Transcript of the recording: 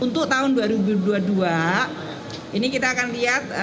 untuk tahun dua ribu dua puluh dua ini kita akan lihat